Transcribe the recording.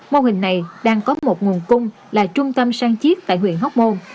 mô hình này đang có một nguồn cung là trung tâm sang chiết tại huyện hóc môn